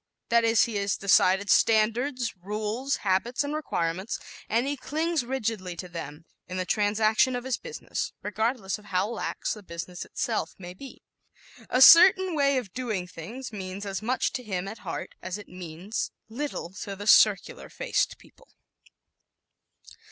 That is, he has decided standards, rules, habits and requirements, and he clings rigidly to them in the transaction of his business, regardless of how lax the business itself may be. "A certain way of doing things" means as much to him, at heart, as it means little to the circular faced people.